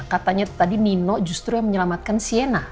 katanya tadi nino justru yang menyelamatkan siena